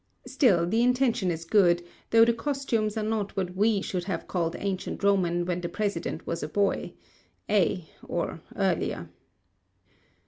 Still, the intention is good, though the costumes are not what we should have called Ancient Roman when the President was a boy—ay, or earlier.